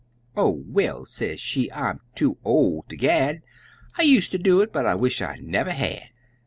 "Oh, well," se' she, "I'm too ol' ter gad, I use' ter do it, but I wish I never had!